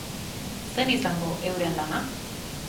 Zein izango euren lana?